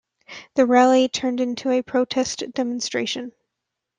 The rally turned into a protest demonstration.